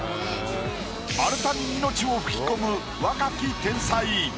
・丸太に命を吹き込む若き。